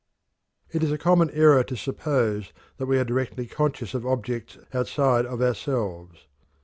It is a common error to suppose that we are directly conscious of objects outside of ourselves.